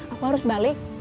aku harus balik